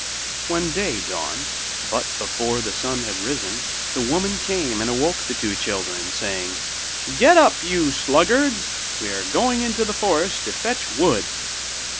When day dawned, but before the sun had risen, the woman came and awoke the two children, saying: 'Get up, you sluggards! we are going into the forest to fetch wood.